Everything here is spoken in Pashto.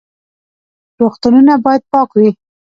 روغتونونه باید پاک وي